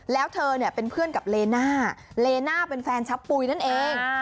แล้วเธอเนี่ยเป็นเพื่อนกับเลน่าเลน่าเป็นแฟนชับปุ๋ยนั่นเอง